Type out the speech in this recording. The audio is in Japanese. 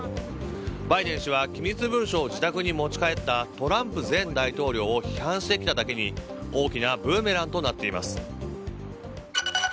バイデン氏は機密文書を自宅に持ち帰ったトランプ前大統領を批判してきただけに大きなブーメランとなっています。